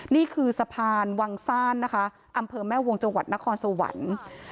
นี่คือสะพานวังซ่านนะคะอำเภอแม่วงจังหวัดนครสวรรค์